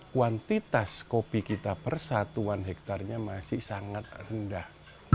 kuantitas kopi kita persatuan hektarnya masih sangat rendah